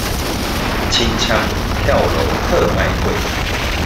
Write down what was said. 清倉跳樓特賣會